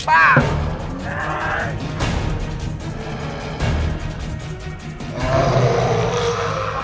ก็ว่ามันบ้าง